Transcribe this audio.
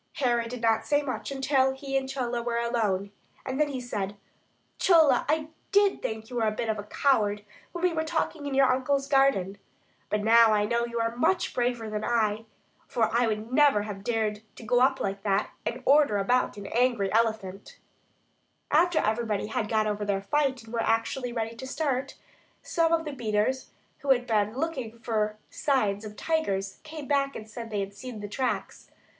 Harry did not say much until he and Chola were alone, and then he said: "Chola, I did think you were a bit of a coward when we were talking in your uncle's garden; but I know now you are much braver than I, for I would never have dared to go up like that and order about an angry elephant." [Illustration: "SUDDENLY, UP OUT OF THE JUNGLE, THERE SPRANG A GREAT YELLOW TIGER."] After everybody had got over their fright and were actually ready to start, some of the beaters who had been looking around for signs of tigers came back and said they had seen the tracks.